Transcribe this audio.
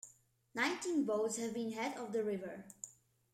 Nineteen boats have been head of the river.